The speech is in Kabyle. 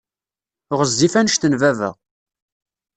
Ɣezzif anect n baba.